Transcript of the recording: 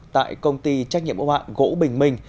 tại công ty trách nhiệm mẫu hạng gỗ bình minh